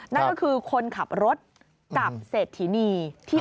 นั่นก็คือคนขับรถกับเศรษฐ์ทิณีที่อื่น